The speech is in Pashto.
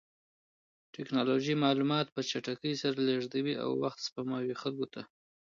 ټکنالوژي معلومات په چټکۍ سره لېږدوي او وخت سپموي خلکو ته.